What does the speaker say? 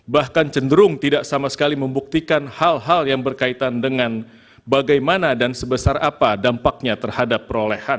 bahkan cenderung tidak sama sekali membuktikan hal hal yang berkaitan dengan bagaimana dan sebesar apa dampaknya terhadap perolehan